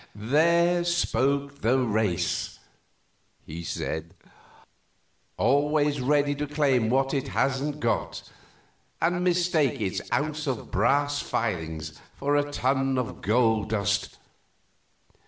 "There spoke the race!" he said; "always ready to claim what it hasn't got, and mistake its ounce of brass filings for a ton of gold dust.